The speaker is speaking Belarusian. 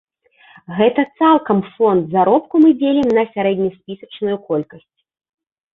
Гэта цалкам фонд заробку мы дзелім на сярэднеспісачную колькасць.